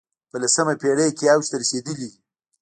په لسمه پېړۍ کې اوج ته رسېدلی دی